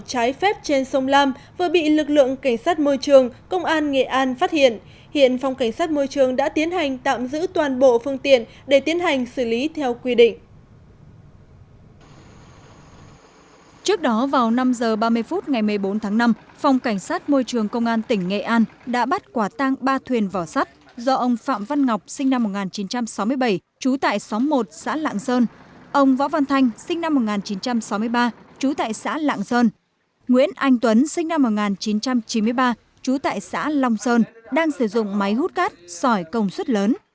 hiện phòng cảnh sát môi trường đã tiến hành tạm giữ toàn bộ phương tiện để tiến hành xử lý theo quy định